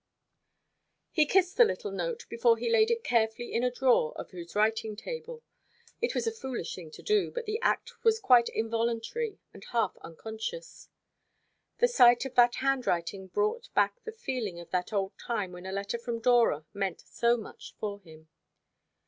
He kissed the little note before he laid it carefully in a drawer of his writing table. It was a foolish thing to do, but the act was quite involuntary and half unconscious. The sight of that handwriting brought back the feeling of that old time when a letter from Dora meant so much for him.